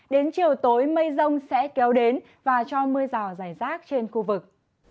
đến chiều tối mây rông sẽ kéo đến và cho mưa rào rải rác trên khu vực